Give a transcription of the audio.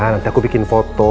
nanti aku bikin foto